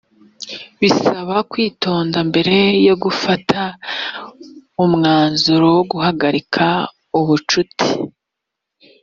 bisaba kwitonda mbere yo gufata umwanzuro wo guhagarika ubucuti